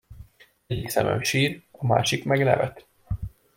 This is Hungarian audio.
Egyik szemem sír, a másik meg nevet.